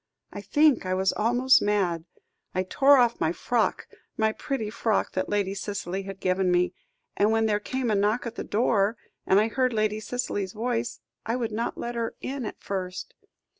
I think I was almost mad. I tore off my frock my pretty frock that Lady Cicely had given me, and when there came a knock at the door, and I heard Lady Cicely's voice, I would not let her in at first.